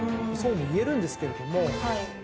そうも言えるんですけれども。